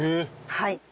はい。